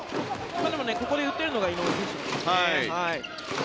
でもここで打てるのが井上選手なのでね。